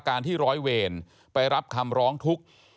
การที่ร้อยเวรไปรับคำร้องทุกข์